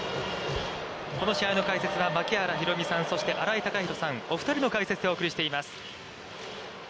この試合の解説は槙原寛己さん、そして新井貴浩さん、お二人の解説でお送りしています。